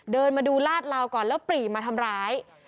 เดินมาดูลาดลาวก่อนแล้วปรีมาทำร้าย